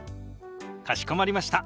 かしこまりました。